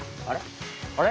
あれ？